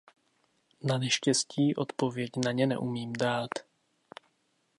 Naneštěstí odpověď na ně neumím dát.